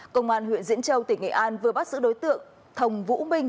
công an huyện diễn châu tỉnh nghệ an vừa bắt giữ đối tượng thồng vũ minh